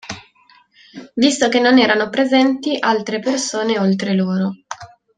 Visto che non erano presenti altre persone oltre loro.